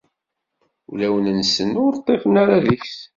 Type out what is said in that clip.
Ulawen-nsen ur ṭṭifen ara deg-s.